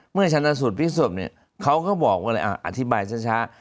เมื่อชันสูตรพิกษบเนี่ยเขาก็บอกว่าอะไรอธิบายช้า